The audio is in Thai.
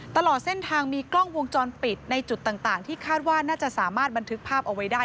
ตลอดเส้นทางมีกล้องวงจรปิดในจุดต่างที่คาดว่าน่าจะสามารถบันทึกภาพเอาไว้ได้